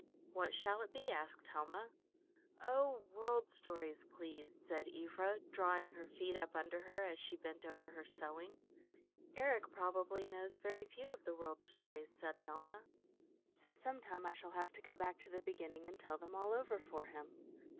"What shall it be?" asked Helma. "Oh, World Stories, please," said Ivra, drawing her feet up under her as she bent over her sewing. "Eric probably knows very few of the World Stories," said Helma. "So sometime I shall have to go back to the beginning and tell them all over for him."